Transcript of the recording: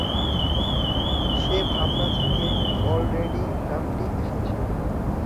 সে ভাবনা থেকে কল-রেডী নামটি এসেছে।